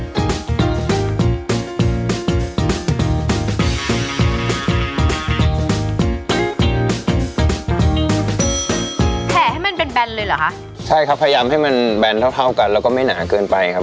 แห่ให้มันแบนเลยเหรอคะใช่ครับพยายามให้มันแบนเท่าเท่ากันแล้วก็ไม่หนาเกินไปครับ